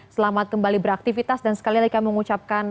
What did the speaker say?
selamat kembali beraktivitas dan sekali lagi kami mengucapkan